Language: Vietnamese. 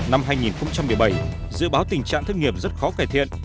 năm hai nghìn một mươi bảy dự báo tình trạng thất nghiệp rất khó cải thiện